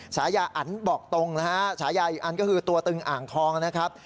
ฉายาอันบอกตรงนะฮะฉายาอีกอันก็คือตัวตึงอ่างทองนะครับ